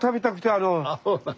あそうなん。